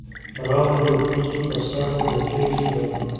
راغله د پوزې پۀ سر غوټۍ شوه